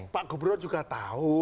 pak goebro juga tahu